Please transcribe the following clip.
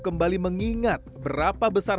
kembali mengingat berapa besar